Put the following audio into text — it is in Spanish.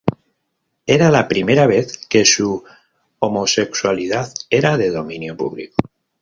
Era la primera vez que su homosexualidad era de dominio público.